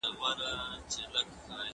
که موږ پوه سو نو دښمن به هم انصاف وګوري.